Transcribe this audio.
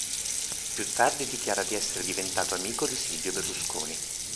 Più tardi dichiara di essere diventato amico di Silvio Berlusconi.